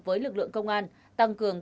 với lực lượng công an tăng cường